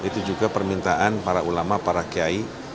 itu juga permintaan para ulama para kiai